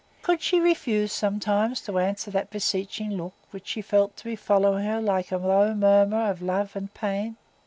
Could she refuse sometimes to answer that beseeching look which she felt to be following her like a low murmur of love and pain?